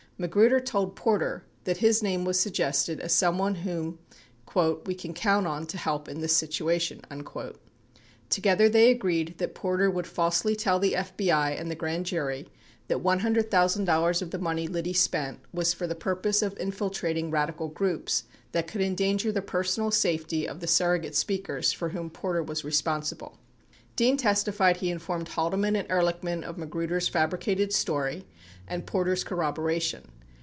Magruder told Porter that his name was sug gested as someone whom "we can count on to help in this situation." 99 Together they agreed that Porter would falsely tell the FBI and the grand jury that $100,000 of the money Liddy spent was for the purpose of infiltrating radical groups that could endanger the personal safety of the surrogate speakers for whom Porter was responsible. 1 Dean testified he informed Haldeman and Ehrlichman of Magruder's fabricated story and Porter's corroboration.